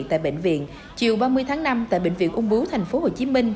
tại bệnh viện chiều ba mươi tháng năm tại bệnh viện ung bướu tp hcm